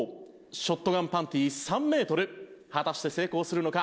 ショットガンパンティ３メートル果たして成功するのか？